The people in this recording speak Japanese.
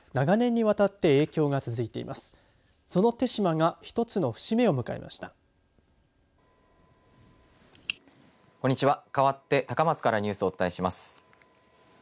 かわって高松からニュースをお伝えします。